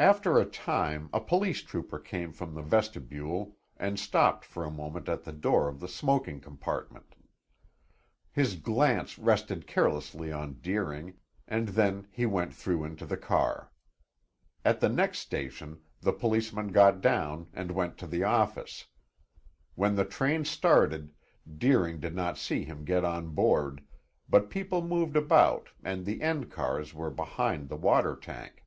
After a time a police trooper came from the vestibule and stopped for a moment at the door of the smoking compartment. His glance rested carelessly on Deering, and then he went through into the car. At the next station the policeman got down and went to the office. When the train started Deering did not see him get on board, but people moved about and the end cars were behind the water tank.